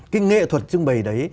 cái nghệ thuật trưng bày đấy